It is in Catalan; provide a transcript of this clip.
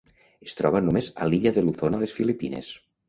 Es troba només a l'illa de Luzon a les Filipines.